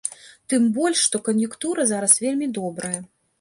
Тым больш, што кан'юнктура зараз вельмі добрая.